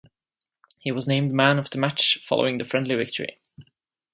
He was named Man of the Match following the friendly victory.